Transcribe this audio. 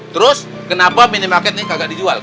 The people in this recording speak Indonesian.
terus kenapa mini market ini kagak dijual